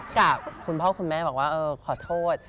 จากคุณพ่อคุณแม่บอกว่าเออขอโทษ